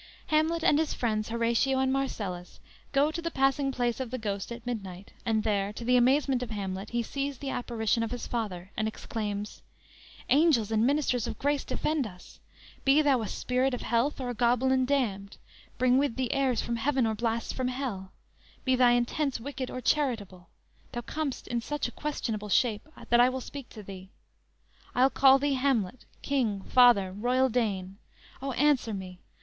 _ Hamlet and his friends, Horatio and Marcellus, go to the passing place of the Ghost at midnight, and there, to the amazement of Hamlet, he sees the apparition of his father, and exclaims: _"Angels and ministers of grace defend us! Be thou a spirit of health or goblin damned, Bring with thee airs from heaven or blasts from hell, Be thy intents wicked or charitable, Thou comest in such a questionable shape That I will speak to thee. I'll call thee Hamlet, King, father, royal Dane; O, answer me!